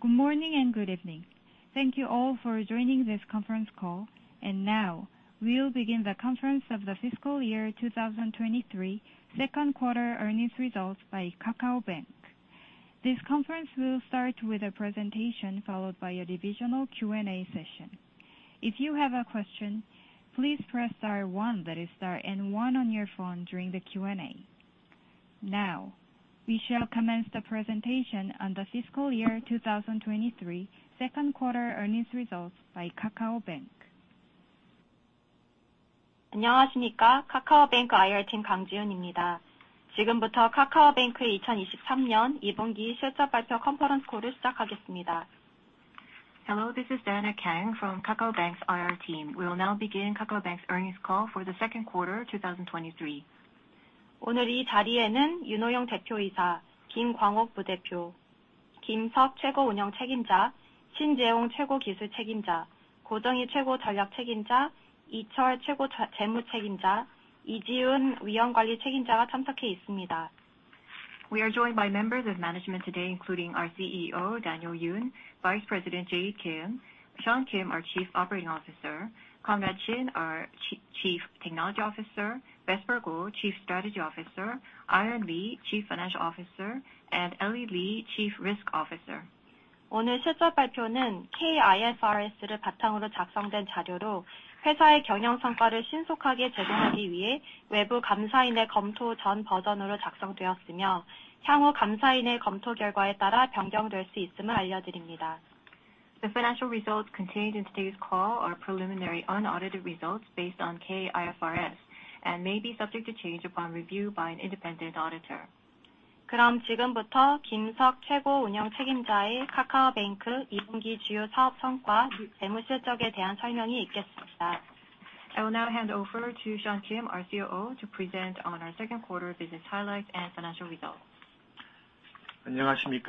Good morning, and good evening. Thank you all for joining this conference call. Now, we'll begin the conference of the fiscal year 2023, second quarter earnings results by KakaoBank. This conference will start with a presentation, followed by a divisional Q&A session. If you have a question, please press star 1, that is star and 1 on your phone during the Q&A. Now, we shall commence the presentation on the fiscal year 2023, second quarter earnings results by KakaoBank. Hello, this is Diana Kang from KakaoBank's IR team. We will now begin KakaoBank's earnings call for the second quarter 2023. We are joined by members of management today, including our CEO, Yoon Ho-young, Vice President Jae Kim, Seok Kim, our Chief Operating Officer, Conrad Shin, our Chief Technology Officer, Vesper Guo, Chief Strategy Officer, Ira Lee, Chief Financial Officer, and Ellie Lee, Chief Risk Officer. The financial results contained in today's call are preliminary unaudited results based on K-IFRS, and may be subject to change upon review by an independent auditor. I will now hand over to Seok Kim, our COO, to present on our second quarter business highlights and financial results. Good morning,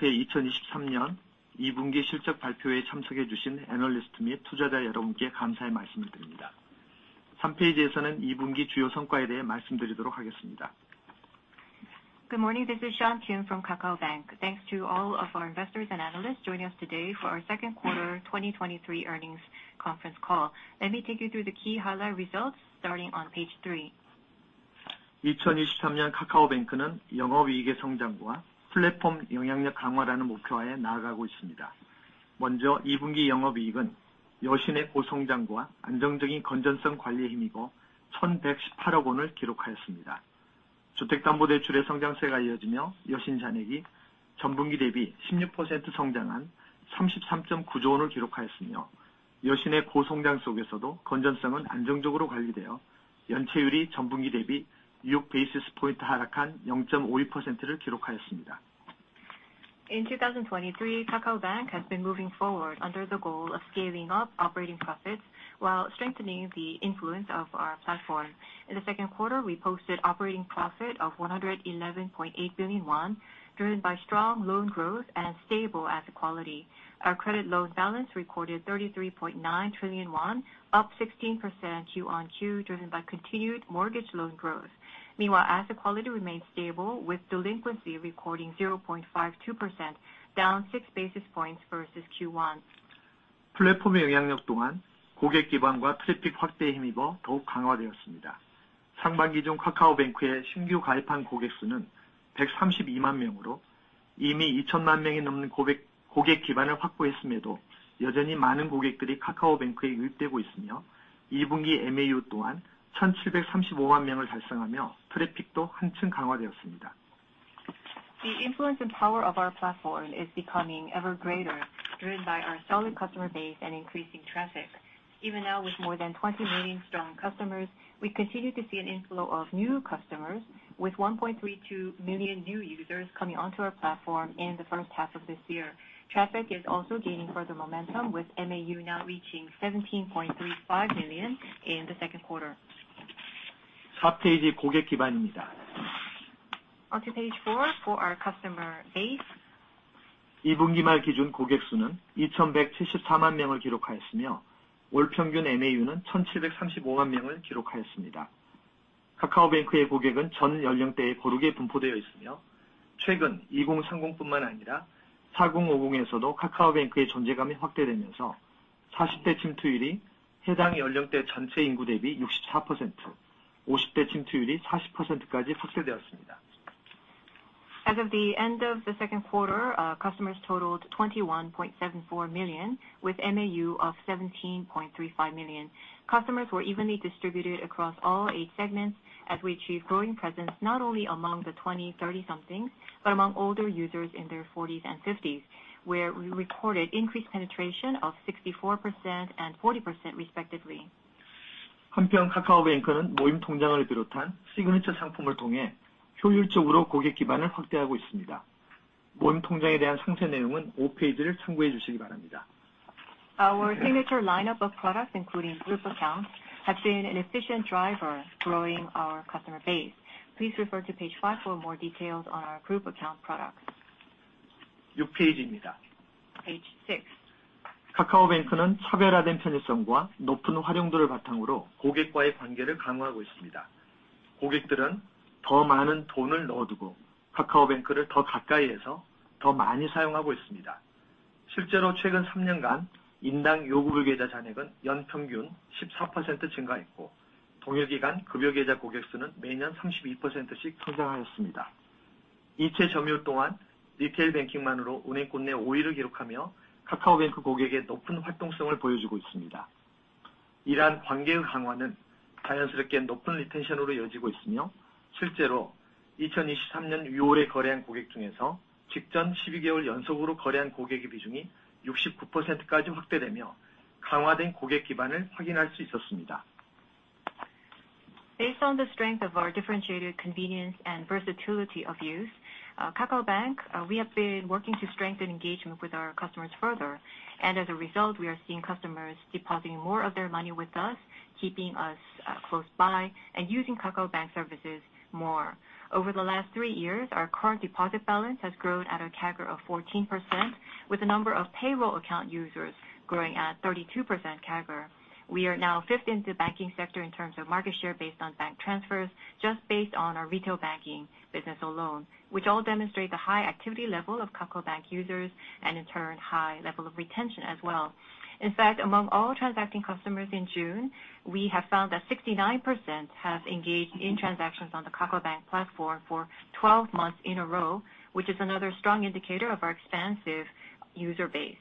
this is Seok Kim from KakaoBank. Thanks to all of our investors and analysts joining us today for our second quarter 2023 earnings conference call. Let me take you through the key highlight results starting on page three. In 2023, KakaoBank has been moving forward under the goal of scaling up operating profits while strengthening the influence of our platform. In the second quarter, we posted operating profit of 111.8 billion won, driven by strong loan growth and stable asset quality. Our credit loan balance recorded 33.9 trillion won, up 16% quarter-over-quarter, driven by continued mortgage loan growth. Meanwhile, asset quality remained stable, with delinquency recording 0.52%, down six basis points versus Q1. The influence and power of our platform is becoming ever greater, driven by our solid customer base and increasing traffic. Even now, with more than 20 million strong customers, we continue to see an inflow of new customers, with 1.32 million new users coming onto our platform in the first half of this year. Traffic is also gaining further momentum, with monthly active users now reaching 17.35 million in the 2nd quarter. On to page 4 for our customer base. As of the end of the 2nd quarter, customers totaled 21.74 million, with MAU of 17.35 million. Customers were evenly distributed across all age segments as we achieved growing presence, not only among the 20, 30-somethings, but among older users in their 40s and 50s, where we recorded increased penetration of 64% and 40% respectively. Our signature lineup of products, including group accounts, have been an efficient driver growing our customer base. Please refer to page 5 for more details on our Group Account products. 입니다. Page 6. KakaoBank는 차별화된 편의성과 높은 활용도를 바탕으로 고객과의 관계를 강화하고 있습니다. 고객들은 더 많은 돈을 넣어두고 KakaoBank를 더 가까이 해서 더 많이 사용하고 있습니다. 실제로 최근 3년간 인당 요구 계좌 잔액은 연 평균 14% 증가했고, 동일 기간 급여 계좌 고객수는 매년 32%씩 성장하였습니다. 이체 점유율 또한 리테일 뱅킹만으로 은행권 내 5위를 기록하며, KakaoBank 고객의 높은 활동성을 보여주고 있습니다. 이러한 관계의 강화는 자연스럽게 높은 리텐션으로 이어지고 있으며, 실제로 2023년 6월에 거래한 고객 중에서 직전 12개월 연속으로 거래한 고객의 비중이 69%까지 확대되며, 강화된 고객 기반을 확인할 수 있었습니다. Based on the strength of our differentiated convenience and versatility of use, KakaoBank, we have been working to strengthen engagement with our customers further. As a result, we are seeing customers depositing more of their money with us, keeping us close by and using KakaoBank services more. Over the last 3 years, our current deposit balance has grown at a compound annual growth rate of 14%, with the number of payroll account users growing at 32% CAGR. We are now 5th in the banking sector in terms of market share based on bank transfers, just based on our retail banking business alone, which all demonstrate the high activity level of KakaoBank users and in turn, high level of retention as well. In fact, among all transacting customers in June, we have found that 69% have engaged in transactions on the KakaoBank platform for 12 months in a row, which is another strong indicator of our expansive user base.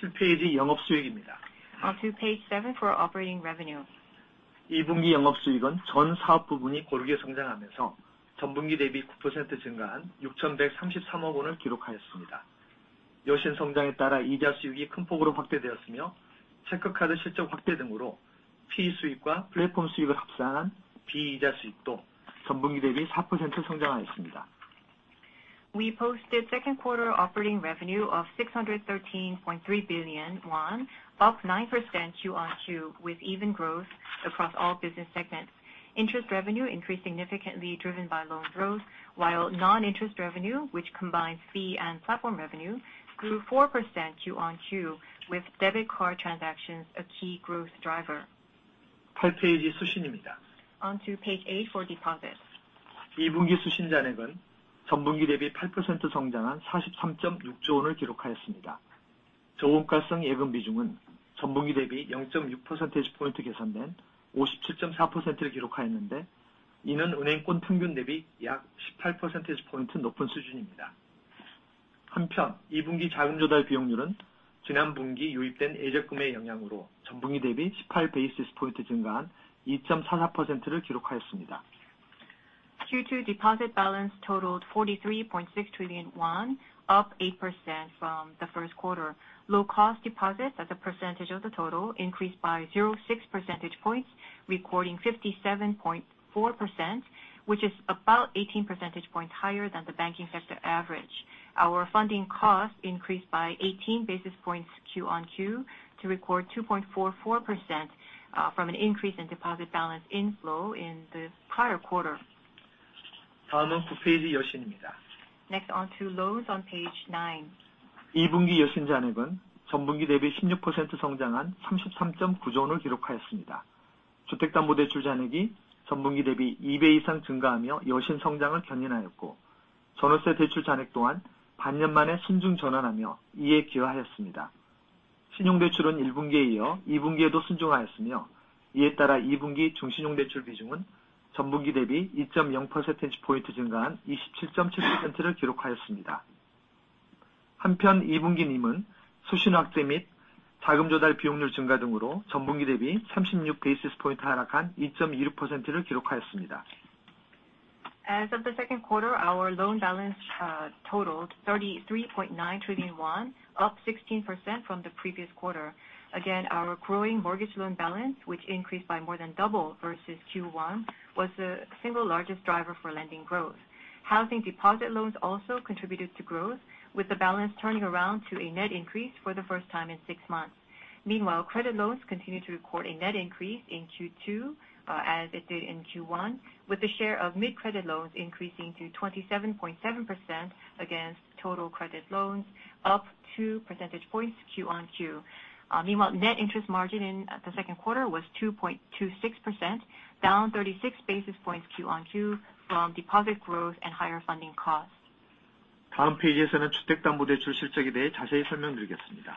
7 페이지, 영업 수익입니다. On to page 7 for operating revenue. 2분기 영업 수익은 전 사업 부문이 골고루 성장하면서 전분기 대비 구 퍼센트 증가한 육천백삼십삼억 원을 기록하였습니다. 여신 성장에 따라 이자 수익이 큰 폭으로 확대되었으며, 체크카드 실적 확대 등으로 fee 수익과 플랫폼 수익을 합산한 비이자 수익도 전분기 대비 사 퍼센트 성장하였습니다. We posted second quarter operating revenue of 613.03 billion won, up 9% QoQ, with even growth across all business segments. Interest revenue increased significantly, driven by loan growth, while non-interest revenue, which combines fee and platform revenue, grew 4% QoQ, with debit card transactions a key growth driver. 8 페이지, 수신입니다. On to page 8 for deposits. 2분기 수신 잔액은 전분기 대비 8% 성장한 43.6 trillion을 기록하였습니다. 저원가성 예금 비중은 전분기 대비 0.6 percentage points 개선된 57.4%를 기록하였는데, 이는 은행권 평균 대비 약18 percentage points 높은 수준입니다. 2분기 자금조달 비용률은 지난 분기 유입된 예적금의 영향으로 전분기 대비 18 basis points 증가한 2.44%를 기록하였습니다. Q2 deposit balance totaled 43.6 trillion won, up 8% from the first quarter. Low-cost deposits as a percentage of the total increased by 0.6 percentage points, recording 57.4%, which is about 18 percentage points higher than the banking sector average. Our funding cost increased by 18 basis points QoQ to record 2.44% from an increase in deposit balance inflow in the prior quarter. 다음은 9 페이지, 여신입니다. Next on to loans on page 9. 2분기 여신 잔액은 전분기 대비 십육 퍼센트 성장한 삼십삼점구조 원을 기록하였습니다. 주택담보대출 잔액이 전분기 대비 이배 이상 증가하며, 여신 성장을 견인하였고, 전월세 대출 잔액 또한 반년 만에 순증 전환하며 이에 기여하였습니다. 신용대출은 일분기에 이어 이분기에도 순증하였으며, 이에 따라 이분기 중신용대출 비중은 전분기 대비 이점영 퍼센티지 포인트 증가한 이십칠점칠 퍼센트를 기록하였습니다. 한편, 이분기 NIM은 수신 확대 및 자금조달 비용률 증가 등으로 전분기 대비 삼십육 베이시스 포인트 하락한 이점이륙 퍼센트를 기록하였습니다. As of the second quarter, our loan balance totaled 33.9 trillion won, up 16% from the previous quarter. Our growing mortgage loan balance, which increased by more than double versus Q1, was the single largest driver for lending growth. Housing deposit loans also contributed to growth, with the balance turning around to a net increase for the first time in 6 months. Credit loans continued to record a net increase in Q2, as it did in Q1, with the share of mid-credit loans increasing to 27.7% against total credit loans, up 2 percentage points QoQ. Net interest margin in the second quarter was 2.26%, down 36 basis points QoQ from deposit growth and higher funding costs. 다음 페이지에서는 주택담보대출 실적에 대해 자세히 설명드리겠습니다.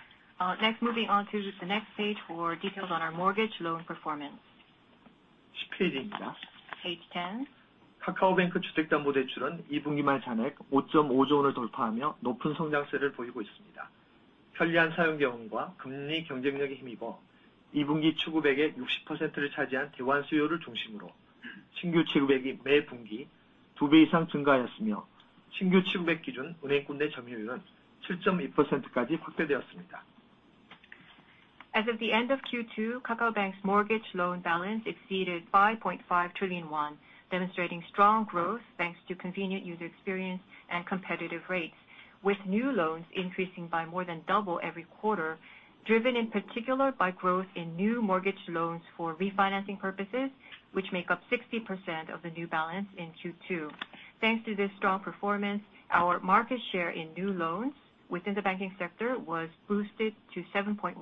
Next, moving on to the next page for details on our mortgage loan performance. 10 페이지입니다. Page ten. KakaoBank 주택담보대출은 2Q 말 잔액 5.5 trillion을 돌파하며 높은 성장세를 보이고 있습니다. 편리한 사용 경험과 금리 경쟁력에 힘입어 2Q 취급액의 60%를 차지한 대환 수요를 중심으로 신규 취급액이 매 분기 two times 이상 증가하였으며, 신규 취급액 기준 은행권 내 점유율은 7.2%까지 확대되었습니다. As of the end of Q2, KakaoBank's mortgage loan balance exceeded 5.5 trillion won, demonstrating strong growth thanks to convenient user experience and competitive rates, with new loans increasing by more than double every quarter, driven in particular by growth in new mortgage loans for refinancing purposes, which make up 60% of the new balance in Q2. Thanks to this strong performance, our market share in new loans within the banking sector was boosted to 7.1%.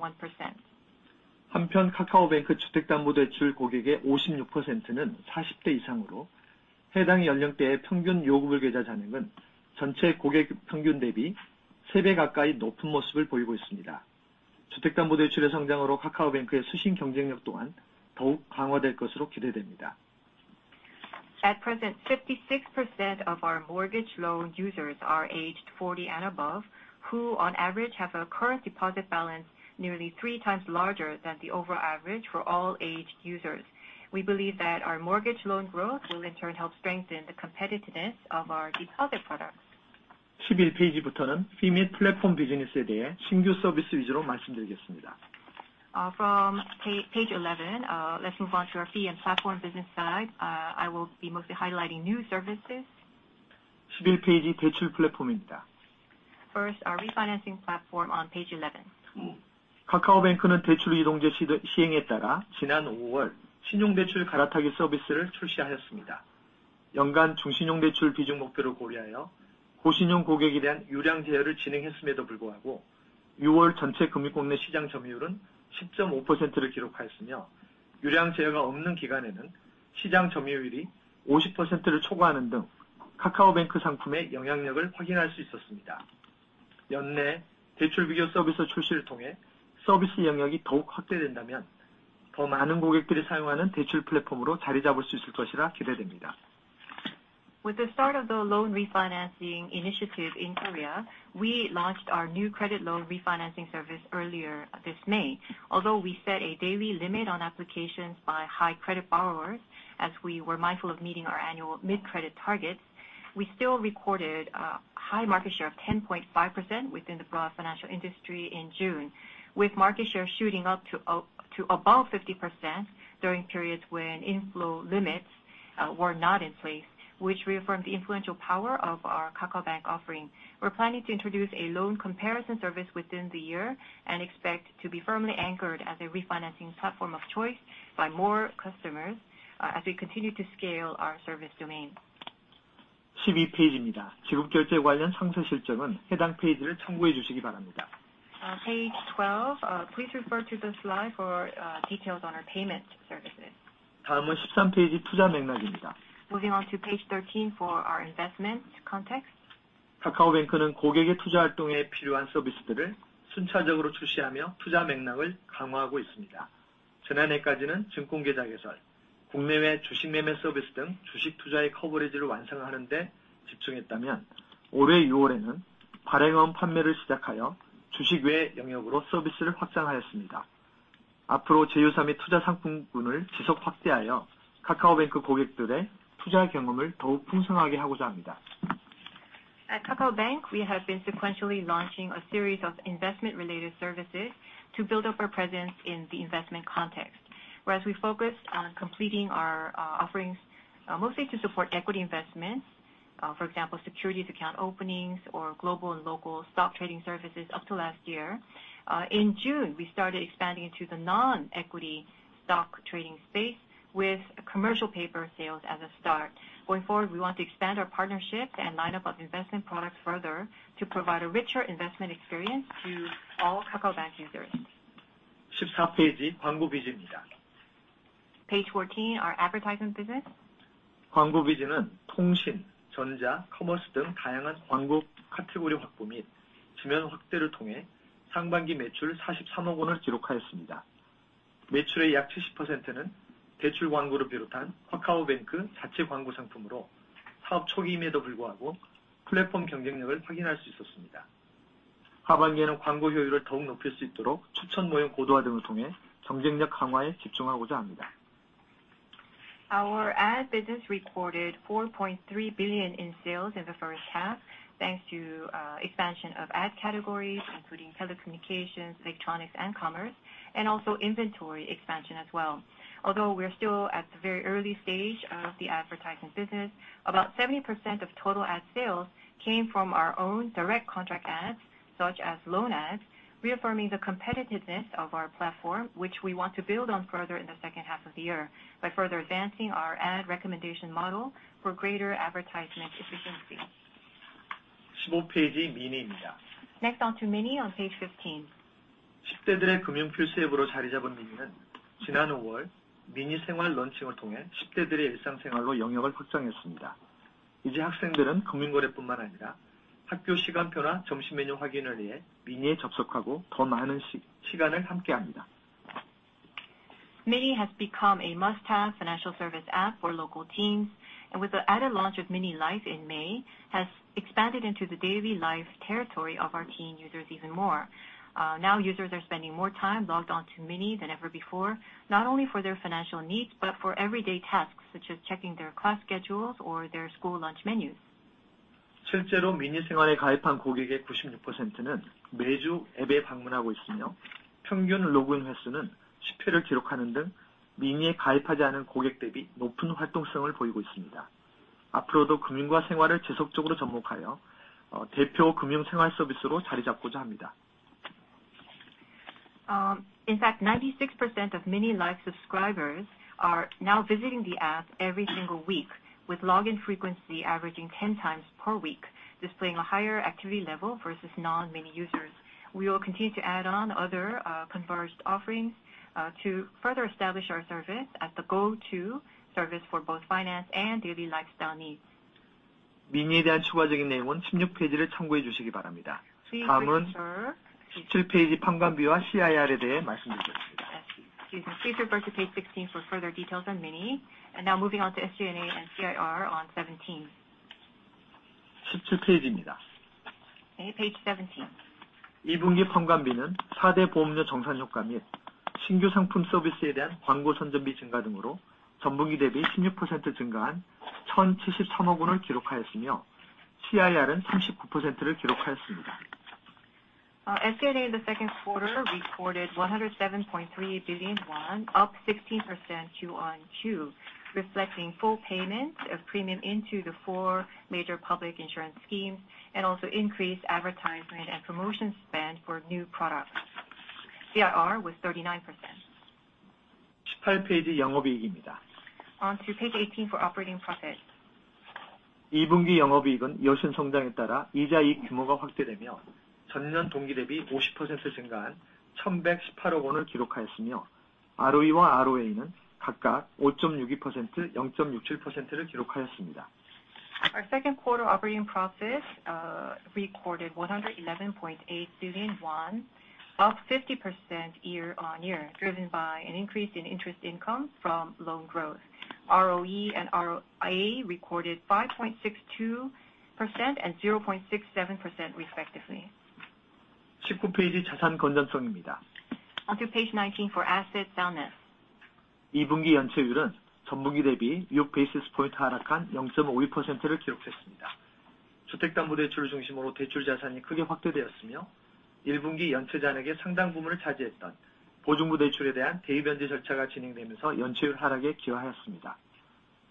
한편, KakaoBank 주택담보대출 고객의 56%는 40대 이상으로, 해당 연령대의 평균 요금을 계좌 잔액은 전체 고객 평균 대비 3배 가까이 높은 모습을 보이고 있습니다. 주택담보대출의 성장으로 KakaoBank의 수신 경쟁력 또한 더욱 강화될 것으로 기대됩니다. At present, 56% of our mortgage loan users are aged 40 and above, who on average have a current deposit balance nearly 3 times larger than the overall average for all aged users. We believe that our mortgage loan growth will in turn help strengthen the competitiveness of our deposit products. 11 페이지부터는 fee 및 플랫폼 비즈니스에 대해 신규 서비스 위주로 말씀드리겠습니다. From page 11, let's move on to our fee and platform business side. I will be mostly highlighting new services. 11 페이지, 대출 플랫폼입니다. First, our refinancing platform on page 11. 카카오뱅크는 대출 이동제 시드- 시행에 따라 지난 오월 신용대출 갈아타기 서비스를 출시하였습니다. 연간 중신용대출 비중 목표를 고려하여 고신용 고객에 대한 유량 제어를 진행했음에도 불구하고, 유월 전체 금융권 내 시장 점유율은 십점오 퍼센트를 기록하였으며, 유량 제어가 없는 기간에는 시장 점유율이 오십 퍼센트를 초과하는 등 카카오뱅크 상품의 영향력을 확인할 수 있었습니다. 연내 대출 비교 서비스 출시를 통해 서비스 영역이 더욱 확대된다면, 더 많은 고객들이 사용하는 대출 플랫폼으로 자리잡을 수 있을 것이라 기대됩니다. With the start of the loan refinancing initiative in Korea, we launched our new credit loan refinancing service earlier this May. Although we set a daily limit on applications by high credit borrowers, as we were mindful of meeting our annual mid-credit targets, we still recorded high market share of 10.5% within the broad financial industry in June. With market share shooting up to above 50% during periods when inflow limits were not in place, which reaffirmed the influential power of our KakaoBank offering. We're planning to introduce a loan comparison service within the year and expect to be firmly anchored as a refinancing platform of choice by more customers as we continue to scale our service domain. 12 페이지입니다. 지급 결제 관련 상세 실적은 해당 페이지를 참고해 주시기 바랍니다. Page 12, please refer to the slide for details on our payment services. 다음은 13 페이지, 투자 맥락입니다. Moving on to page 13 for our investment context. 카카오뱅크는 고객의 투자 활동에 필요한 서비스들을 순차적으로 출시하며 투자 맥락을 강화하고 있습니다. 지난해까지는 증권 계좌 개설, 국내외 주식 매매 서비스 등 주식 투자의 커버리지를 완성하는 데 집중했다면, 올해 유월에는 발행어음 판매를 시작하여 주식 외 영역으로 서비스를 확장하였습니다. 앞으로 제휴사 및 투자 상품군을 지속 확대하여 카카오뱅크 고객들의 투자 경험을 더욱 풍성하게 하고자 합니다. At KakaoBank, we have been sequentially launching a series of investment related services to build up our presence in the investment context. Whereas we focused on completing our offerings, mostly to support equity investments, for example, securities account openings or global and local stock trading services up to last year. In June, we started expanding into the non-equity stock trading space with commercial paper sales as a start. Going forward, we want to expand our partnerships and lineup of investment products further to provide a richer investment experience to all KakaoBank users. 14 페이지, 광고 비즈입니다. Page 14, our advertising business. 광고 비즈는 통신, 전자, 커머스 등 다양한 광고 카테고리 확보 및 지면 확대를 통해 상반기 매출 4.3 billion을 기록하였습니다. 매출의 약 70%는 대출 광고를 비롯한 KakaoBank 자체 광고 상품으로 사업 초기임에도 불구하고, 플랫폼 경쟁력을 확인할 수 있었습니다. 하반기에는 광고 효율을 더욱 높일 수 있도록 추천 모형 고도화 등을 통해 경쟁력 강화에 집중하고자 합니다. Our ad business recorded 4.3 billion in sales in the first half, thanks to expansion of ad categories, including telecommunications, electronics, and commerce, and also inventory expansion as well. Although we are still at the very early stage of the advertising business, about 70% of total ad sales came from our own direct contract ads, such as loan ads, reaffirming the competitiveness of our platform, which we want to build on further in the second half of the year by further advancing our ad recommendation model for greater advertisement efficiency. Page 15, mini. Next, on to mini on page 15. 10대들의 금융 필수 앱으로 자리잡은 mini는 지난 5월, mini Life 론칭을 통해 10대들의 일상생활로 영역을 확장했습니다. 이제 학생들은 금융 거래뿐만 아니라 학교 시간표나 점심 메뉴 확인을 위해 mini에 접속하고 더 많은 시간을 함께합니다. Mini has become a must-have financial service app for local teens, and with the added launch of Mini Life in May, has expanded into the daily life territory of our teen users even more. Now, users are spending more time logged on to Mini than ever before, not only for their financial needs, but for everyday tasks, such as checking their class schedules or their school lunch menus. 실제로 mini Life에 가입한 고객의 96%는 매주 앱에 방문하고 있으며, 평균 로그인 횟수는 10회를 기록하는 등 mini에 가입하지 않은 고객 대비 높은 활동성을 보이고 있습니다. 앞으로도 금융과 생활을 지속적으로 접목하여, 대표 금융 생활 서비스로 자리 잡고자 합니다. In fact, 96% of Mini Life subscribers are now visiting the app every single week, with login frequency averaging 10 times per week, displaying a higher activity level versus non-Mini users. We will continue to add on other, converged offerings, to further establish our service as the go-to service for both finance and daily lifestyle needs. mini 대한 추가적인 내용은 16 페이지를 참고해 주시기 바랍니다. 17 페이지 SG&A와 CIR에 대해 말씀드리겠습니다. Excuse me. Please refer to page 16 for further details on Mini. Now moving on to SG&A and CIR on page 17. 17 페이지입니다. Okay, page 17. 이 분기 판관비는 사대 보험료 정산 효과 및 신규 상품 서비스에 대한 광고 선전비 증가 등으로 전분기 대비 16% 증가한 107.3 billion을 기록하였으며, CIR은 39%를 기록하였습니다. SG&A in the second quarter recorded 107.3 billion won, up 16% QoQ, reflecting full payment of premium into the four major public insurance schemes, and also increased advertisement and promotion spend for new products. CIR was 39%. 18 페이지 영업이익입니다. On to page 18 for operating profit. 이 분기 영업이익은 여신 성장에 따라 이자이익 규모가 확대되며, 전년 동기 대비 50% 증가한 111.8 billion을 기록하였으며, ROE와 ROA는 각각 5.62%, 0.67%를 기록하였습니다. Our second quarter operating profit recorded KRW 111.8 billion, up 50% year-on-year, driven by an increase in interest income from loan growth. ROE and ROA recorded 5.62% and 0.67% respectively. 19 페이지 자산 건전성입니다. On to page 19 for asset soundness. 이 분기 연체율은 전분기 대비 육 베이시스 포인트 하락한 영점 오이 퍼센트를 기록했습니다. 주택담보대출을 중심으로 대출 자산이 크게 확대되었으며, 일 분기 연체 잔액의 상당 부분을 차지했던 보증부 대출에 대한 대위변제 절차가 진행되면서 연체율 하락에 기여하였습니다.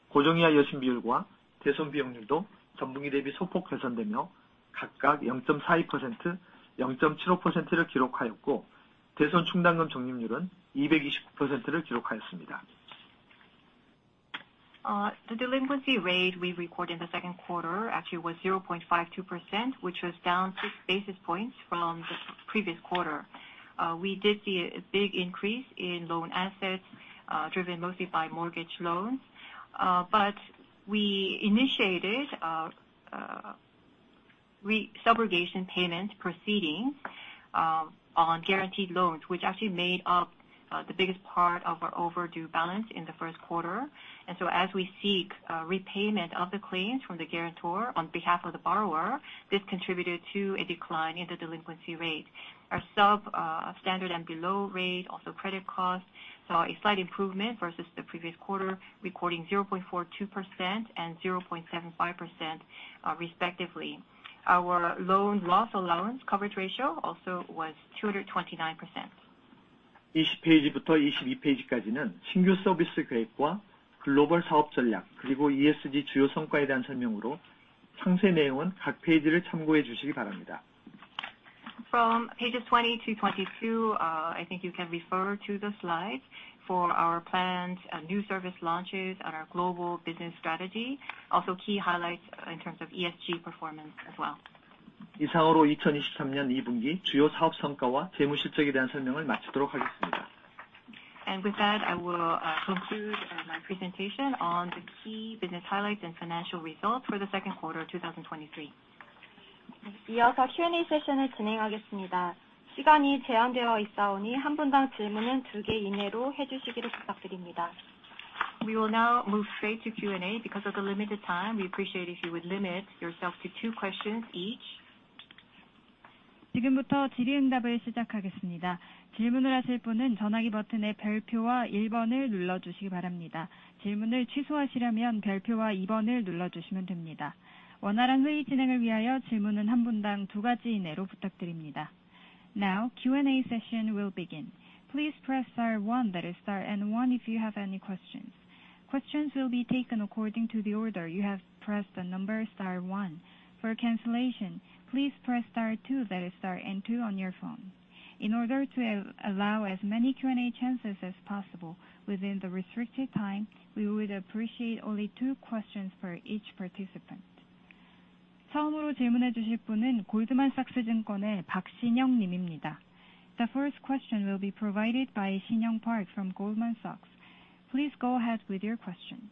고정 이하 여신 비율과 대손 비용률도 전분기 대비 소폭 개선되며 각각 영점 사이 퍼센트, 영점 칠오 퍼센트를 기록하였고, 대손 충당금 적립률은 이백이십구 퍼센트를 기록하였습니다. The delinquency rate we recorded in the second quarter actually was 0.52%, which was down 6 basis points from the previous quarter. We did see a big increase in loan assets, driven mostly by mortgage loans. But we initiated re-subrogation payment proceedings on guaranteed loans, which actually made up the biggest part of our overdue balance in the first quarter. As we seek repayment of the claims from the guarantor on behalf of the borrower, this contributed to a decline in the delinquency rate. Our sub standard and below rate, also credit costs, saw a slight improvement versus the previous quarter, recording 0.42% and 0.75%, respectively. Our loan loss allowance coverage ratio also was 229%. 20 페이지부터 22 페이지까지는 신규 서비스 계획과 글로벌 사업 전략, 그리고 ESG 주요 성과에 대한 설명으로 상세 내용은 각 페이지를 참고해 주시기 바랍니다. From pages 20 to 22, I think you can refer to the slide for our planned new service launches and our global business strategy. Also, key highlights in terms of ESG performance as well. 이상으로 2023년 2분기 주요 사업 성과와 재무실적에 대한 설명을 마치도록 하겠습니다. With that, I will conclude my presentation on the key business highlights and financial results for the second quarter of 2023. 이어서 Q&A 세션을 진행하겠습니다. 시간이 제한되어 있사오니 한 분당 질문은 두개 이내로 해주시기를 부탁드립니다. We will now move straight to Q&A. Because of the limited time, we appreciate if you would limit yourself to two questions each. 지금부터 질의응답을 시작하겠습니다. 질문을 하실 분은 전화기 버튼의 별표와 일번을 눌러주시기 바랍니다. 질문을 취소하시려면 별표와 이번을 눌러주시면 됩니다. 원활한 회의 진행을 위하여 질문은 한 분당 두 가지 이내로 부탁드립니다. Now, Q&A session will begin. Please press star one, that is star and one, if you have any questions. Questions will be taken according to the order you have pressed the number star one. For cancellation, please press star two, that is star and two on your phone. In order to allow as many Q&A chances as possible within the restricted time, we would appreciate only two questions for each participant. 처음으로 질문해 주실 분은 골드만삭스 증권의 박신영 님입니다. The first question will be provided by Sinyoung Park from Goldman Sachs. Please go ahead with your question.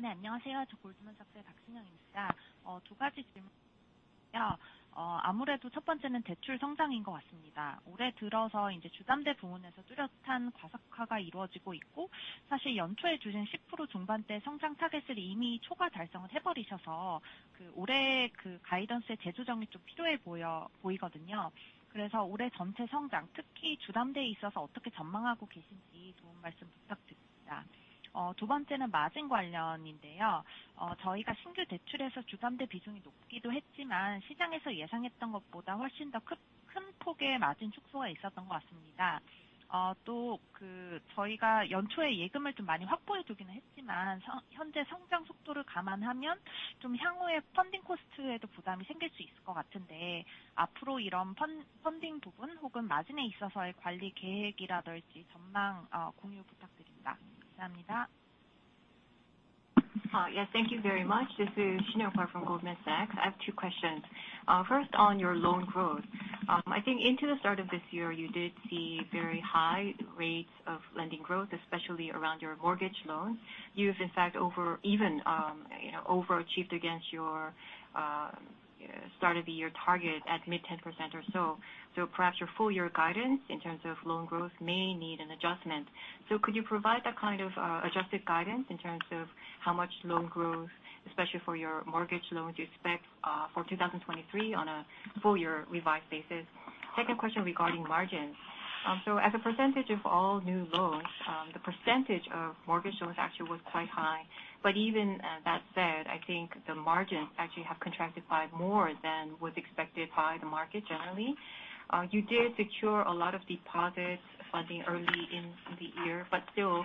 네, 안녕하세요. Goldman Sachs의 Sinyoung Park입니다. 두 가지 질문. 아무래도 첫 번째는 대출 성장인 것 같습니다. 올해 들어서 이제 주담대 부문에서 뚜렷한 과석화가 이루어지고 있고, 사실 연초에 주신 10% 중반대 성장 타겟을 이미 초과 달성을 해버리셔서, 올해 그 가이던스의 재조정이 좀 필요해 보이거든요. 올해 전체 성장, 특히 주담대에 있어서 어떻게 전망하고 계신지 두분 말씀 부탁드립니다. 두 번째는 마진 관련인데요. 저희가 신규 대출에서 주담대 비중이 높기도 했지만, 시장에서 예상했던 것보다 훨씬 더큰 폭의 마진 축소가 있었던 것 같습니다. 또 저희가 연초에 예금을 좀 많이 확보해 두기는 했지만, 현재 성장 속도를 감안하면 좀 향후에 funding cost에도 부담이 생길 수 있을 것 같은데, 앞으로 이런 funding 부분 혹은 마진에 있어서의 관리 계획이라든지, 전망 공유 부탁드립니다. 감사합니다. Yes, thank you very much. This is Sinyoung from Goldman Sachs. I have two questions. First, on your loan growth, I think into the start of this year, you did see very high rates of lending growth, especially around your mortgage loans. You've in fact, over even, you know, overachieved against your start of the year target at mid 10% or so. Perhaps your full year guidance in terms of loan growth may need an adjustment. Could you provide that kind of adjusted guidance in terms of how much loan growth, especially for your mortgage loans, you expect for 2023 on a full year revised basis? Second question regarding margins. As a percentage of all new loans, the percentage of mortgage loans actually was quite high. Even that said, I think the margins actually have contracted by more than was expected by the market generally. You did secure a lot of deposits funding early in the year, but still,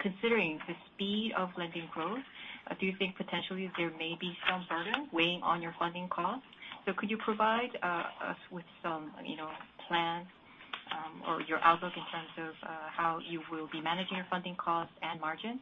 considering the speed of lending growth, do you think potentially there may be some burden weighing on your funding costs? Could you provide us with some, you know, plans, or your outlook in terms of how you will be managing your funding costs and margins?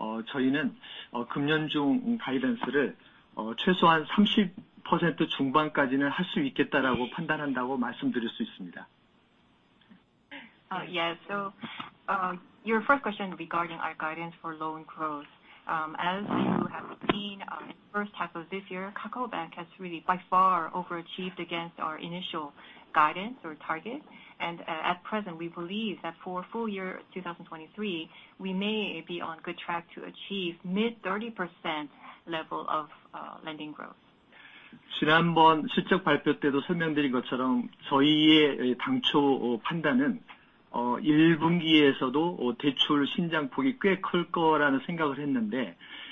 Yes, thank you for what I think will be the two questions that everybody is most interested in. Yes, your first question regarding our guidance for loan growth. As you have seen, in the first half of this year, KakaoBank has really by far overachieved against our initial guidance or target.At present, we believe that for full year 2023, we may be on good track to achieve mid 30% level of lending growth.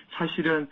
Yeah.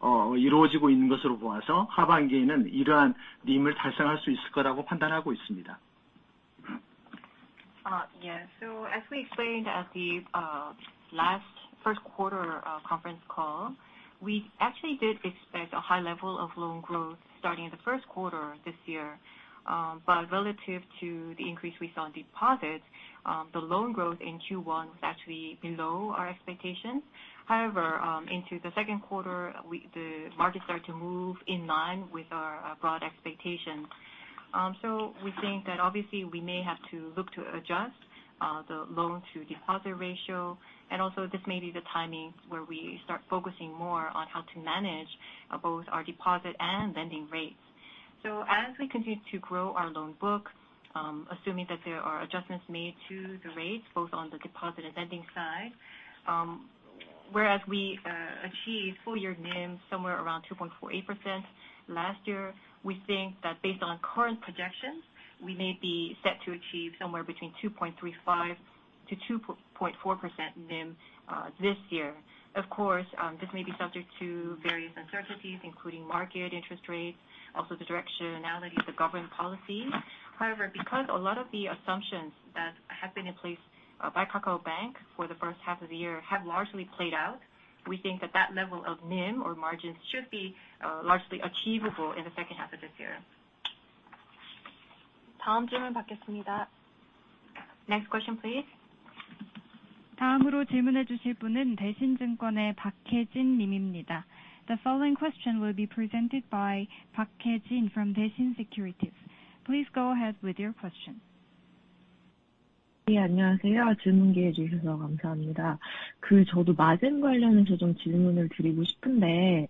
As we explained at the last first quarter conference call, we actually did expect a high level of loan growth starting in the first quarter this year. Relative to the increase we saw in deposits, the loan growth in Q1 was actually below our expectations. However, into the second quarter, the market started to move in line with our broad expectations. We think that obviously we may have to look to adjust the loan-to-deposit ratio, and also this may be the timing where we start focusing more on how to manage both our deposit and lending rates. As we continue to grow our loan book, assuming that there are adjustments made to the rates, both on the deposit and lending side, whereas we achieved full year NIM somewhere around 2.48% last year, we think that based on current projections, we may be set to achieve somewhere between 2.35%-2.4% NIM this year. Of course, this may be subject to various uncertainties, including market interest rates, also the directionality of the government policy. However, because a lot of the assumptions that have been in place by KakaoBank for the first half of the year have largely played out, we think that that level of NIM or margins should be largely achievable in the second half of this year. Next question, please. The following question will be presented by Park Hye-jin from Daishin Securities. Please go ahead with your question. Yeah, 안녕하세요, 질문기회 주셔서 감사합니다. 그 저도 마진 관련해서 좀 질문을 드리고 싶은데,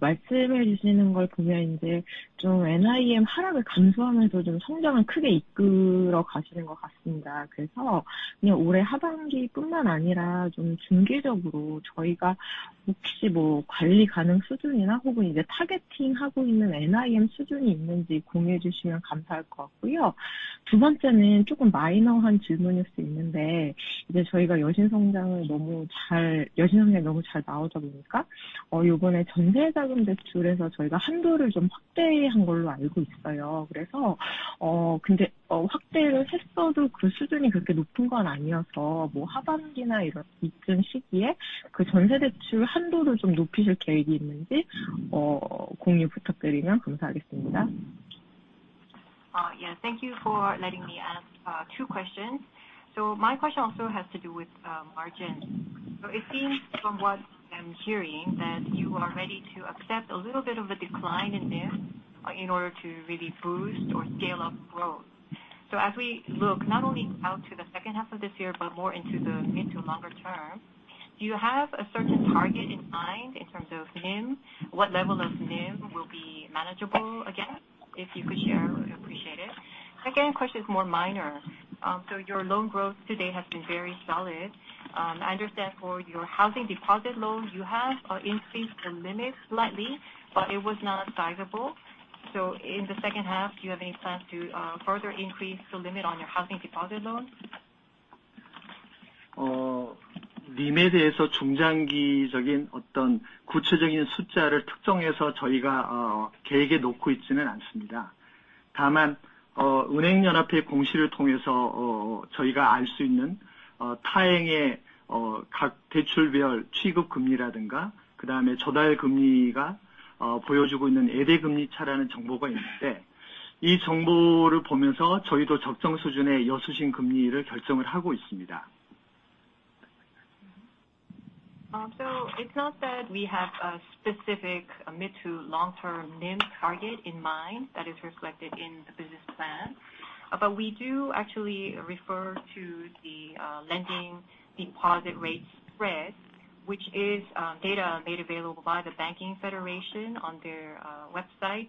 말씀해 주시는 걸 보면 이제 좀 NIM 하락을 감수하면서 좀 성장을 크게 이끌어 가시는 것 같습니다. 그냥 올해 하반기뿐만 아니라 좀 중기적으로 저희가 혹시 뭐 관리 가능 수준이나 혹은 이제 타겟팅 하고 있는 NIM 수준이 있는지 공유해 주시면 감사할 것 같고요. 두 번째는 조금 마이너한 질문일 수 있는데, 이제 저희가 여신 성장이 너무 잘 나오다 보니까, 이번에 전세자금 대출에서 저희가 한도를 좀 확대한 걸로 알고 있어요. 확대를 했어도 그 수준이 그렇게 높은 건 아니어서, 뭐, 하반기나 이런 있은 시기에 그 전세 대출 한도를 좀 높이실 계획이 있는지, 공유 부탁드리면 감사하겠습니다. Yeah, thank you for letting me ask two questions. My question also has to do with margins. It seems from what I'm hearing that you are ready to accept a little bit of a decline in NIM, in order to really boost or scale up growth. As we look not only out to the second half of this year, but more into the, into longer term, do you have a certain target in mind in terms of NIM? What level of NIM will be manageable again, if you could share, I would appreciate it. Second question is more minor. Your loan growth to date has been very solid. I understand for your housing deposit loans, you have increased the limit slightly, but it was not sizable. In the second half, do you have any plans to further increase the limit on your housing deposit loans? It's not that we have a specific mid to long-term NIM target in mind that is reflected in the business plan. We do actually refer to the lending deposit rate spread, which is data made available by the Banking Federation on their website,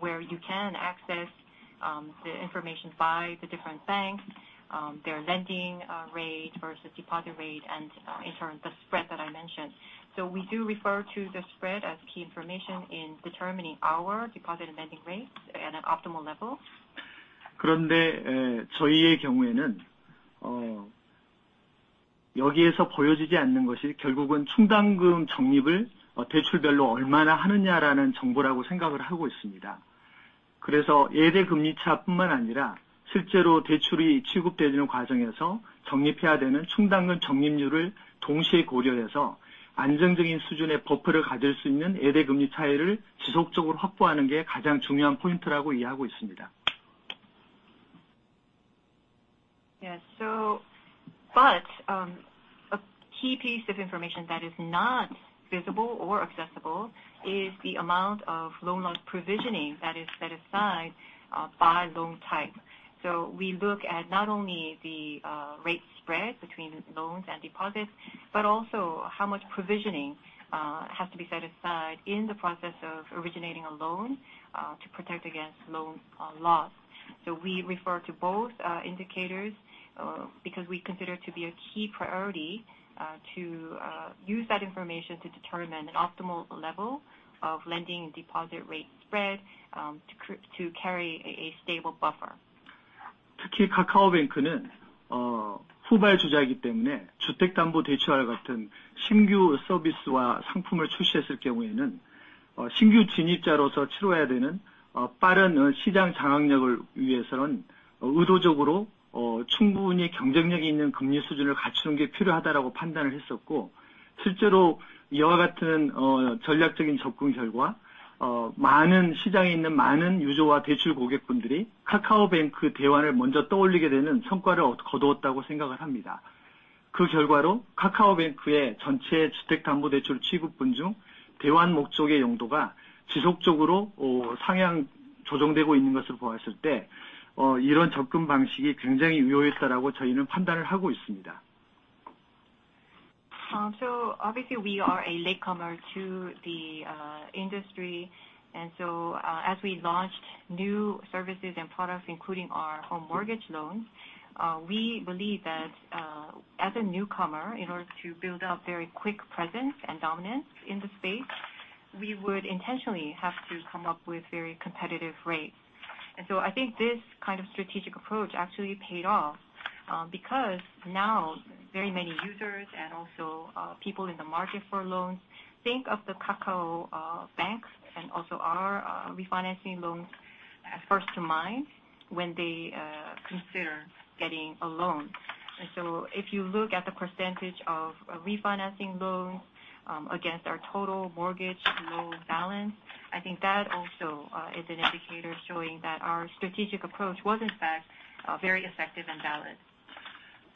where you can access the information by the different banks, their lending rate versus deposit rate, and in turn, the spread that I mentioned. We do refer to the spread as key information in determining our deposit and lending rates at an optimal level. Yes. A key piece of information that is not visible or accessible is the amount of loan loss provisioning that is set aside by loan type. We look at not only the rate spread between loans and deposits, but also how much provisioning has to be set aside in the process of originating a loan to protect against loan loss. We refer to both indicators because we consider to be a key priority to use that information to determine an optimal level of lending and deposit rate spread to carry a stable buffer. Obviously we are a latecomer to the industry, as we launched new services and products, including our home mortgage loans, we believe that as a newcomer, in order to build up very quick presence and dominance in the space, we would intentionally have to come up with very competitive rates. I think this kind of strategic approach actually paid off, because now very many users and also, people in the market for loans think of the KakaoBank and also our refinancing loans first to mind when they consider getting a loan. If you look at the percentage of refinancing loans, against our total mortgage loan balance, I think that also is an indicator showing that our strategic approach was in fact, very effective and valid.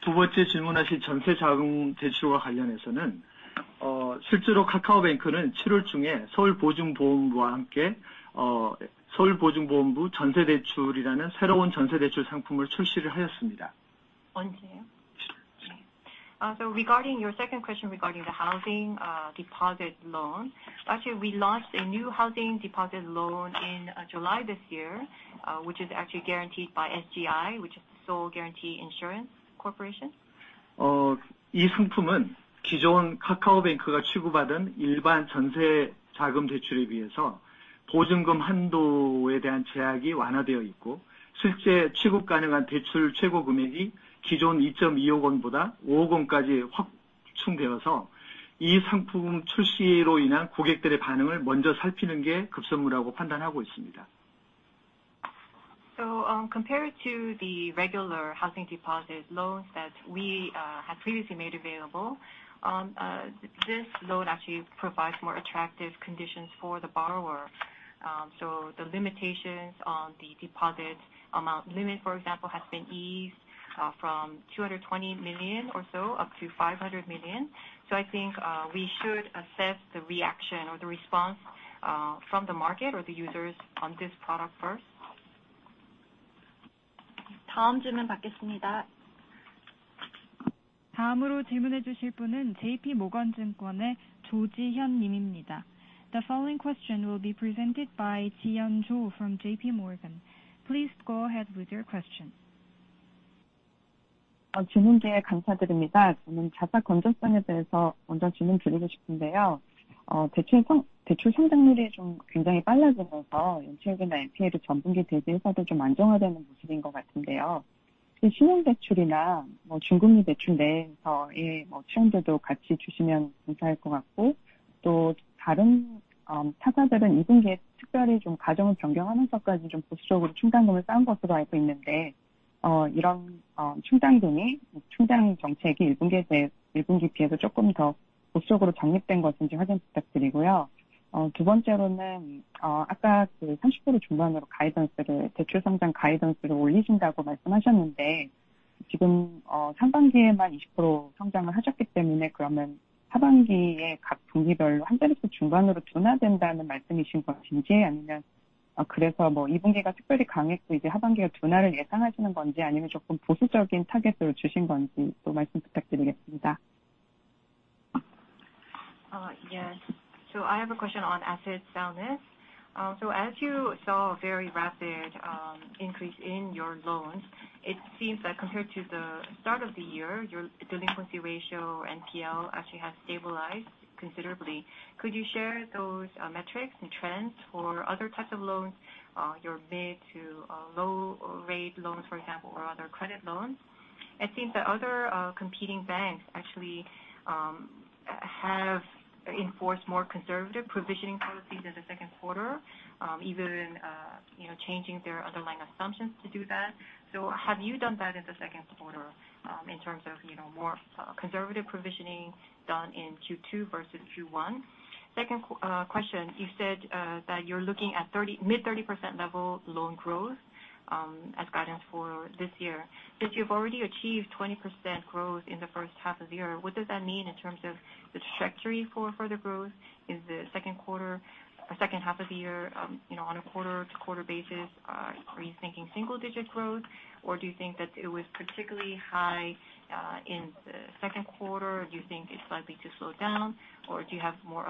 Regarding your second question regarding the housing deposit loan, actually, we launched a new housing deposit loan in July this year, which is actually guaranteed by SGI, which is Seoul Guarantee Insurance Corporation. Compared to the regular housing deposit loans that we had previously made available, this loan actually provides more attractive conditions for the borrower. The limitations on the deposit amount limit, for example, has been eased from 220 million or so up to 500 million. I think we should assess the reaction or the response from the market or the users on this product first. The following question will be presented by Jihyun Cho from JP Morgan. Please go ahead with your question. Yes. I have a question on asset soundness. As you saw a very rapid increase in your loans, it seems that compared to the start of the year, your delinquency ratio NPL actually has stabilized considerably. Could you share those metrics and trends for other types of loans, your mid to low rate loans, for example, or other credit loans? I think the other competing banks actually have enforced more conservative provisioning policies in the second quarter, even, you know, changing their underlying assumptions to do that. Have you done that in the second quarter, in terms of, you know, more conservative provisioning done in Q2 versus Q1? Second, question, you said that you're looking at mid-30% level loan growth as guidance for this year. Since you've already achieved 20% growth in the first half of the year, what does that mean in terms of the trajectory for further growth? Is the second quarter or second half of the year, you know, on a quarter-to-quarter basis, are you thinking single-digit growth, or do you think that it was particularly high in the second quarter? Do you think it's likely to slow down, or do you have more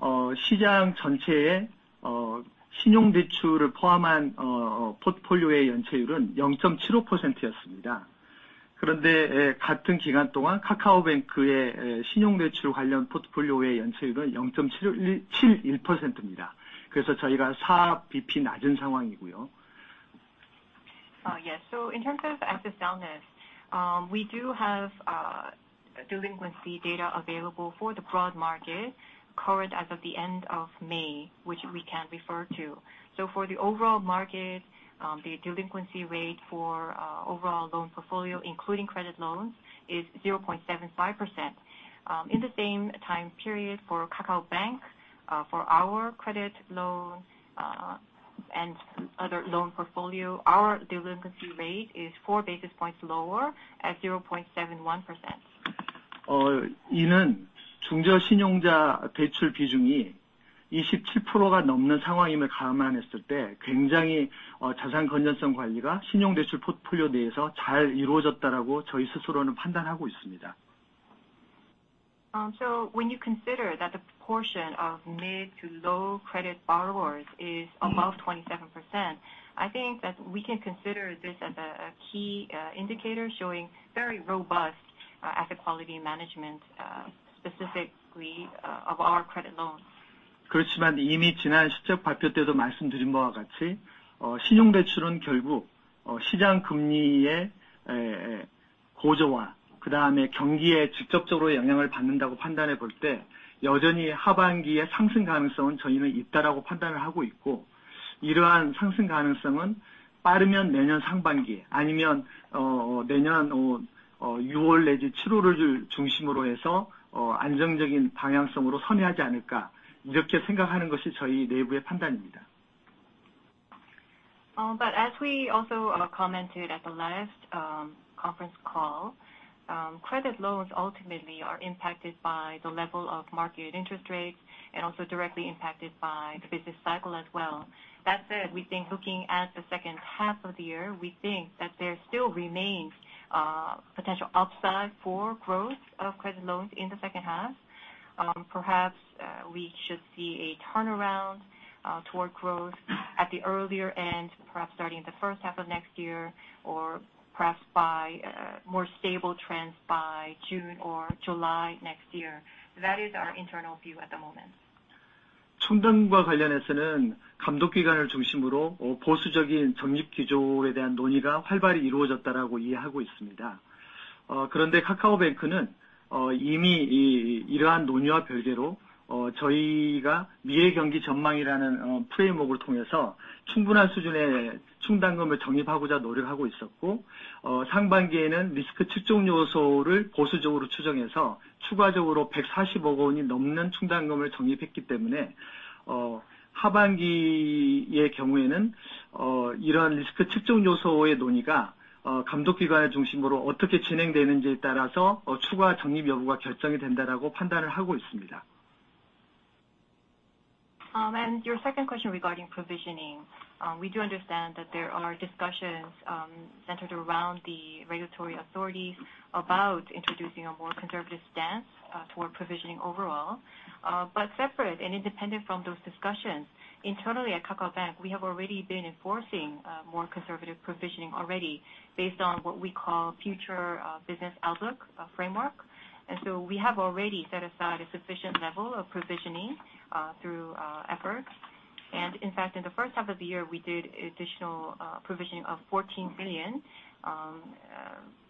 of a conservative outlook? Could you share more of your outlook for the second half? Yes. In terms of asset soundness, we do have delinquency data available for the broad market, current as of the end of May, which we can refer to. For the overall market, the delinquency rate for overall loan portfolio, including credit loans, is 0.75%. In the same time period for KakaoBank, for our credit loan and other loan portfolio, our delinquency rate is 4 basis points lower at 0.71%. So when you consider that the portion of mid to low credit borrowers is above 27%, I think that we can consider this as a key indicator showing very robust asset quality management, specifically of our credit loans. But as we also commented at the last conference call, credit loans ultimately are impacted by the level of market interest rates and also directly impacted by the business cycle as well. That said, we think looking at the second half of the year, we think that there still remains potential upside for growth of credit loans in the second half. Perhaps, we should see a turnaround toward growth at the earlier end, perhaps starting in the first half of next year, or perhaps by more stable trends by June or July next year. That is our internal view at the moment. 충당금과 관련해서는 감독기관을 중심으로, 보수적인 적립 기조에 대한 논의가 활발히 이루어졌다라고 이해하고 있습니다. KakaoBank는 이미 이러한 논의와 별개로, 저희가 미래 경기 전망이라는 framework을 통해서 충분한 수준의 충당금을 적립하고자 노력을 하고 있었고, 상반기에는 리스크 측정 요소를 보수적으로 추정해서 추가적으로 over KRW 14 billion 충당금을 적립했기 때문에, 하반기이의 경우에는, 이러한 리스크 측정 요소의 논의가, 감독기관을 중심으로 어떻게 진행되는지에 따라서, 추가 적립 여부가 결정이 된다라고 판단을 하고 있습니다. Your second question regarding provisioning. We do understand that there are discussions, centered around the regulatory authorities about introducing a more conservative stance toward provisioning overall. Separate and independent from those discussions, internally at KakaoBank, we have already been enforcing more conservative provisioning already based on what we call future business outlook framework. We have already set aside a sufficient level of provisioning through efforts. In fact, in the first half of the year, we did additional provisioning of 14 billion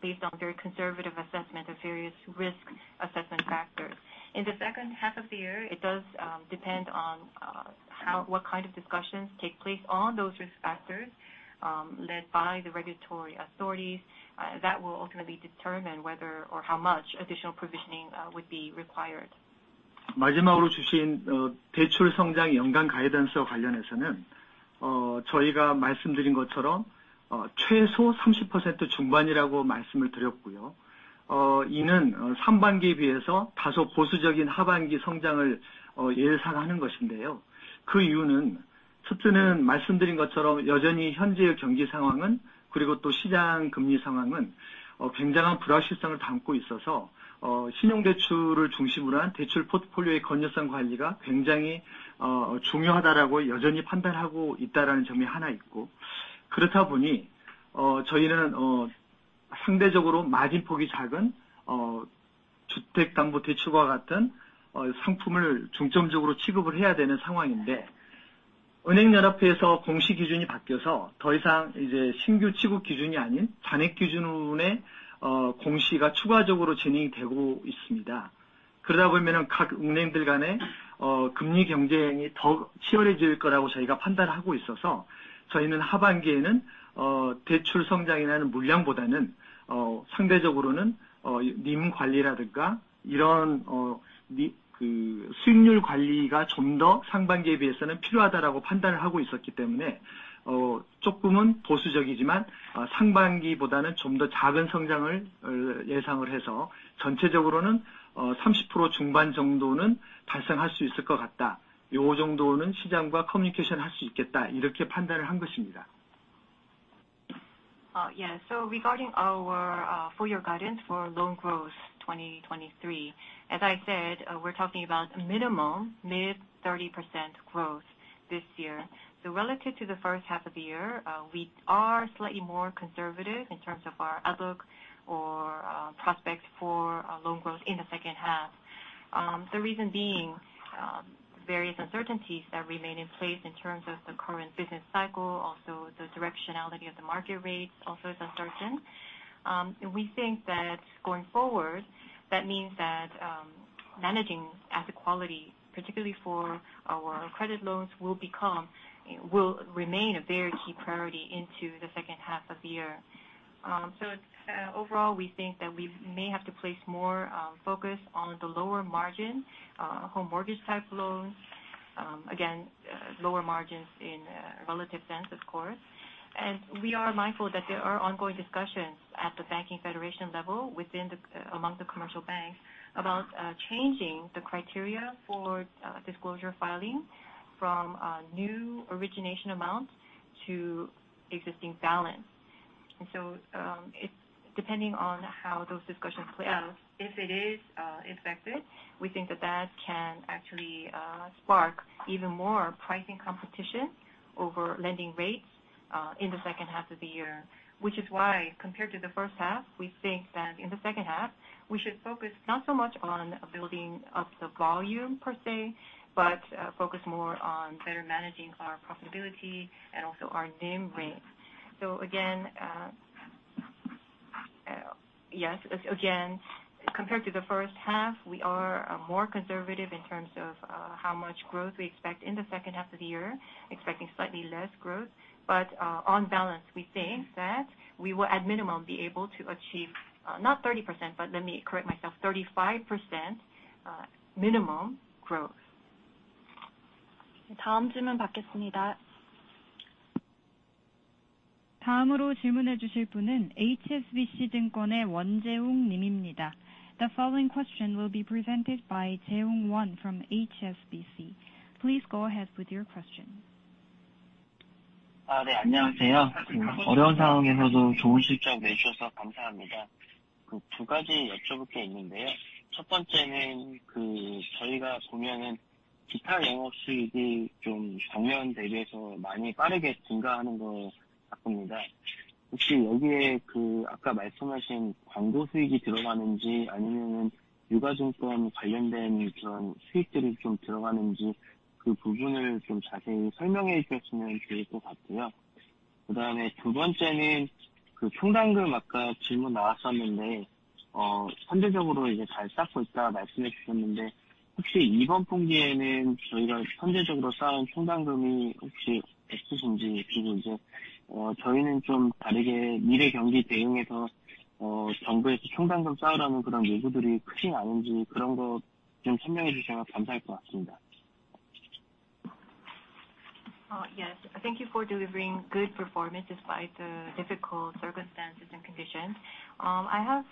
based on very conservative assessment of various risk assessment factors. In the second half of the year, it does, depend on, how, what kind of discussions take place on those risk factors, led by the regulatory authorities, that will ultimately determine whether or how much additional provisioning, would be required. 마지막으로 주신, 대출 성장 연간 가이던스와 관련해서는, 저희가 말씀드린 것처럼, 최소 30% 중반이라고 말씀을 드렸고요. 이는, 상반기에 비해서 다소 보수적인 하반기 성장을, 예상하는 것인데요. 그 이유는 첫째는 말씀드린 것처럼 여전히 현재의 경기 상황은, 또 시장 금리 상황은, 굉장한 불확실성을 담고 있어서, 신용대출을 중심으로 한 대출 포트폴리오의 건전성 관리가 굉장히, 중요하다라고 여전히 판단하고 있다라는 점이 하나 있고. 저희는, 상대적으로 마진 폭이 작은, 주택담보대출과 같은, 상품을 중점적으로 취급을 해야 되는 상황인데, 은행연합회에서 공시 기준이 바뀌어서 더 이상 이제 신규 취급 기준이 아닌 잔액 기준으로의, 공시가 추가적으로 진행이 되고 있습니다. 그러다 보면 각 은행들 간의 금리 경쟁이 더 치열해질 거라고 저희가 판단을 하고 있어서, 저희는 하반기에는 대출 성장이라는 물량보다는 상대적으로는 NIM 관리라든가, 이런 그 수익률 관리가 좀더 상반기에 비해서는 필요하다라고 판단을 하고 있었기 때문에, 조금은 보수적이지만 상반기보다는 좀더 작은 성장을 예상을 해서 전체적으로는 mid-30% 정도는 달성할 수 있을 것 같다, 요 정도는 시장과 커뮤니케이션 할수 있겠다, 이렇게 판단을 한 것입니다. Yeah. Regarding our full year guidance for loan growth 2023, as I said, we're talking about minimum mid 30% growth this year. Relative to the first half of the year, we are slightly more conservative in terms of our outlook or prospects for loan growth in the second half. The reason being, various uncertainties that remain in place in terms of the current business cycle, also the directionality of the market rates also is uncertain. We think that going forward, that means that managing asset quality, particularly for our credit loans, will become, will remain a very key priority into the second half of the year. Overall, we think that we may have to place more focus on the lower margin, home mortgage type loans, again, lower margins in relative sense, of course. We are mindful that there are ongoing discussions at the banking federation level within the, among the commercial banks about changing the criteria for disclosure filing from new origination amounts to existing balance. It's depending on how those discussions play out, if it is effected, we think that that can actually spark even more pricing competition over lending rates in the second half of the year. Which is why, compared to the first half, we think that in the second half, we should focus not so much on building up the volume per se, but focus more on better managing our profitability and also our NIM rates. Again, yes, again, compared to the first half, we are more conservative in terms of how much growth we expect in the second half of the year, expecting slightly less growth. On balance, we think that we will at minimum be able to achieve not 30%, but let me correct myself, 35%, minimum growth. The following question will be presented by Jae Woong Won from HSBC. Please go ahead with your question. 아, 네, 안녕하세요. 어려운 상황에서도 좋은 실적 내주셔서 감사합니다. 그두 가지 여쭤볼 게 있는데요. 첫 번째는 그 저희가 보면은 기타 영업수익이 좀 작년 대비해서 많이 빠르게 증가하는 걸 봤습니다. 혹시 여기에 그 아까 말씀하신 광고 수익이 들어가는지, 아니면은 유가증권 관련된 이런 수익들이 좀 들어가는지, 그 부분을 좀 자세히 설명해 주셨으면 될것 같고요. 두 번째는 그 충당금 아까 질문 나왔었는데, 선제적으로 이제 잘 쌓고 있다 말씀해 주셨는데, 혹시 이번 분기에는 저희가 선제적으로 쌓은 충당금이 혹시 있으신지? 이제 저희는 좀 다르게 미래 경기 대응해서, 정부에서 충당금 쌓으라는 그런 요구들이 크지 않은지, 그런 것좀 설명해 주시면 감사할 것 같습니다. Yes, thank you for delivering good performance despite the difficult circumstances and conditions. I have,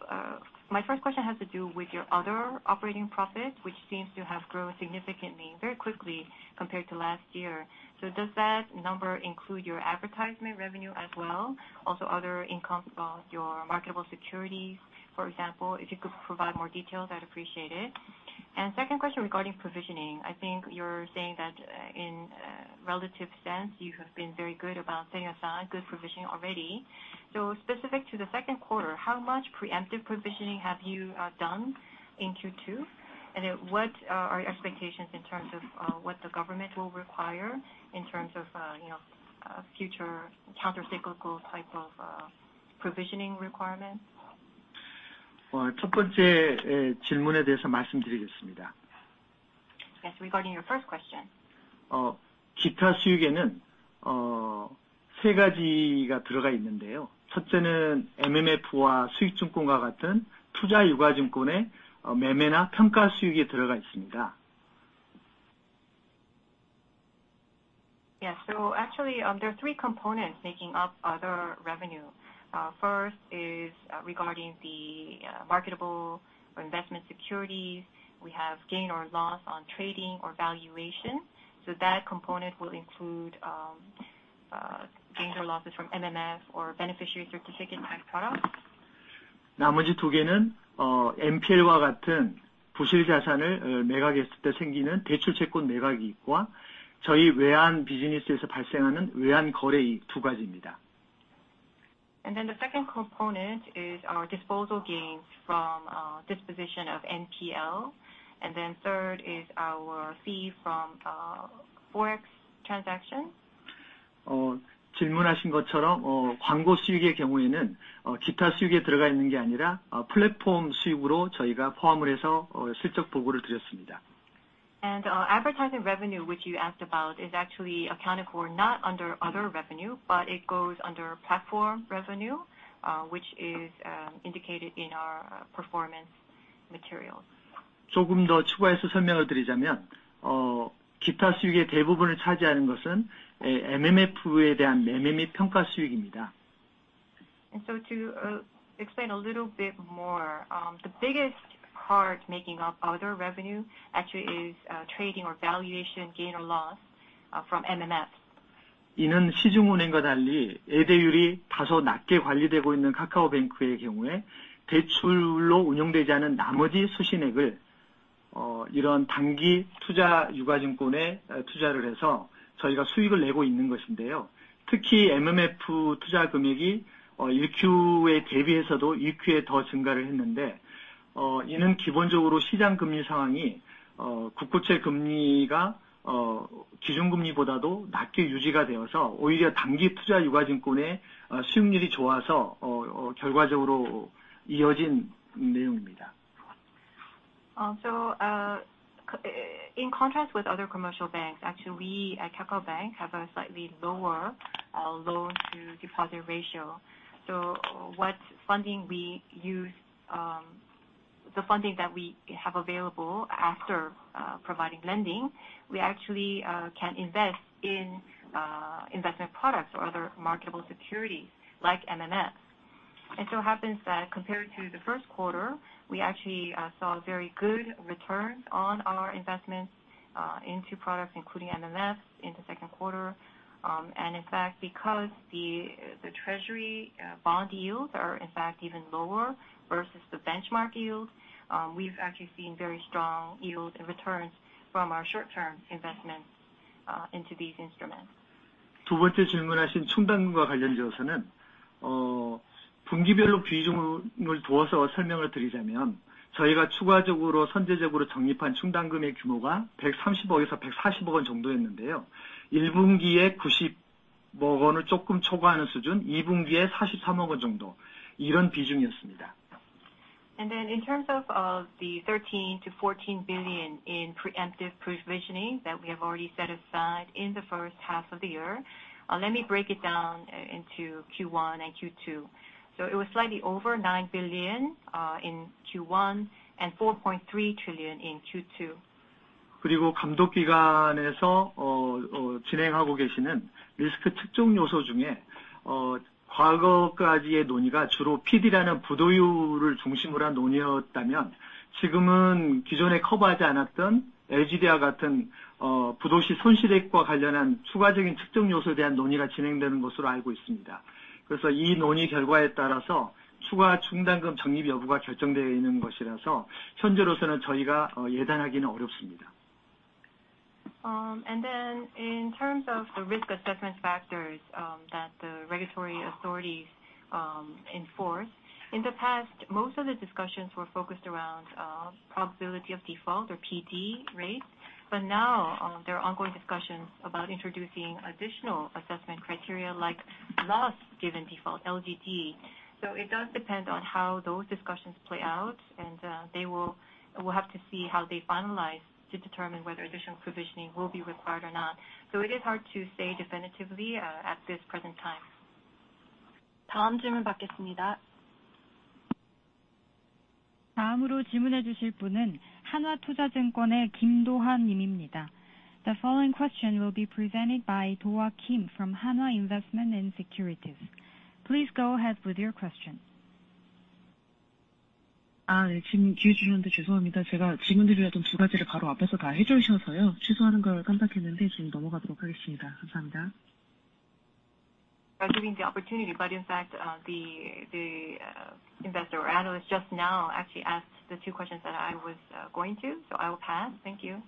my first question has to do with your other operating profits, which seems to have grown significantly, very quickly compared to last year. Does that number include your advertisement revenue as well? Other incomes from your marketable securities, for example, if you could provide more details, I'd appreciate it. Second question regarding provisioning. I think you're saying that, in relative sense, you have been very good about setting aside good provisioning already. Specific to the second quarter, how much preemptive provisioning have you done in Q2? What are your expectations in terms of what the government will require in terms of, you know, future countercyclical type of provisioning requirements? 첫 번째 질문에 대해서 말씀드리겠습니다. Yes, regarding your first question. 기타 수익에는, 세 가지가 들어가 있는데요. 첫째는 MMF와 수익 증권과 같은 투자 유가증권의, 매매나 평가 수익이 들어가 있습니다. Yes. Actually, there are three components making up other revenue. First is regarding the marketable investment securities. We have gain or loss on trading or valuation, so that component will include gains or losses from MMF or beneficiary certificate type products. 나머지 두 개는, NPL과 같은 부실자산을 매각했을 때 생기는 대출 채권 매각 이익과 저희 외환 비즈니스에서 발생하는 외환 거래 이익, 두 가지입니다. The second component is our disposal gains from disposition of NPL. Third is our fee from Forex transactions. 질문하신 것처럼, 광고 수익의 경우에는, 기타 수익에 들어가 있는 게 아니라, 플랫폼 수익으로 저희가 포함을 해서, 실적 보고를 드렸습니다. Advertising revenue, which you asked about, is actually accounted for not under other revenue, but it goes under platform revenue, which is indicated in our performance materials. 조금 더 추가해서 설명을 드리자면, 기타 수익의 대부분을 차지하는 것은, MMF에 대한 매매 및 평가 수익입니다. To explain a little bit more, the biggest part making up other revenue actually is trading or valuation gain or loss from MMF. 이는 시중은행과 달리 예대율이 다소 낮게 관리되고 있는 KakaoBank의 경우에, 대출로 운영되지 않은 나머지 수신액을, 이런 단기 투자 유가증권에, 투자를 해서 저희가 수익을 내고 있는 것인데요. 특히 MMF 투자 금액이, 1Q에 대비해서도 2Q에 더 증가를 했는데, 이는 기본적으로 시장 금리 상황이, 국고채 금리가, 기준금리보다도 낮게 유지가 되어서, 오히려 단기 투자 유가증권의, 수익률이 좋아서, 결과적으로 이어진 내용입니다. In contrast with other commercial banks, actually, we at KakaoBank have a slightly lower loan to deposit ratio. What funding we use, the funding that we have available after providing lending, we actually can invest in investment products or other marketable securities, like MMF. It so happens that compared to the first quarter, we actually saw very good returns on our investments into products, including MMF, in the second quarter. In fact, because the treasury bond yields are in fact even lower versus the benchmark yield, we've actually seen very strong yield and returns from our short-term investments into these instruments. 두 번째 질문하신 충당금과 관련해서는, 분기별로 비중을 두어서 설명을 드리자면, 저희가 추가적으로 선제적으로 적립한 충당금의 규모가 13 billion-14 billion 정도였는데요. 1Q에 KRW 9 billion 조금 초과하는 수준, 2Q에 4.3 billion 정도, 이런 비중이었습니다. In terms of, the 13 billion-14 billion in preemptive provisioning that we have already set aside in the first half of the year, let me break it down, into Q1 and Q2. It was slightly over 9 billion, in Q1 and 4.3 billion in Q2. 감독기관에서 진행하고 계시는 리스크 특정 요소 중에, 과거까지의 논의가 주로 PD라는 부도율을 중심으로 한 논의였다면, 지금은 기존에 커버하지 않았던 LGD와 같은 부도시 손실액과 관련한 추가적인 측정 요소에 대한 논의가 진행되는 것으로 알고 있습니다. 이 논의 결과에 따라서 추가 충당금 적립 여부가 결정되어 있는 것이라서 현재로서는 저희가 예단하기는 어렵습니다. In terms of the risk assessment factors that the regulatory authorities enforce, in the past, most of the discussions were focused around probability of default or PD rates. Now, there are ongoing discussions about introducing additional assessment criteria, like loss given default, LGD. It does depend on how those discussions play out, and they will. We'll have to see how they finalize to determine whether additional provisioning will be required or not. It is hard to say definitively at this present time. 다음 질문 받겠습니다. 다음으로 질문해 주실 분은 한화투자증권의 김도하님입니다. The following question will be presented by Sohye Kim from Hanwha Investment & Securities. Please go ahead with your question. For giving the opportunity, but in fact, the, the, investor or analyst just now actually asked the two questions that I was going to. I will pass. Thank you.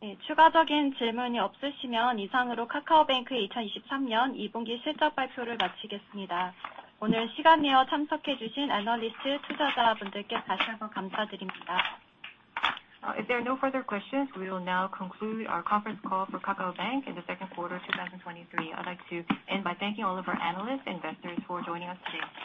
예, 추가적인 질문이 없으시면 이상으로 KakaoBank의 2023년 2Q 실적 발표를 마치겠습니다. 오늘 시간 내어 참석해 주신 애널리스트 투자자분들께 다시 한번 감사드립니다. If there are no further questions, we will now conclude our conference call for KakaoBank in the second quarter of 2023. I'd like to end by thanking all of our analysts and investors for joining us today.